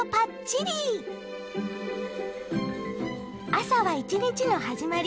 朝は一日の始まり。